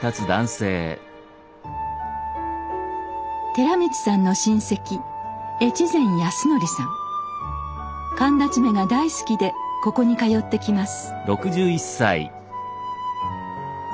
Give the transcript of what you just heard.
寺道さんの親戚寒立馬が大好きでここに通ってきます。